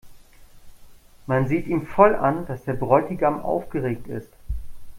Man sieht ihm voll an, dass der Bräutigam aufgeregt ist.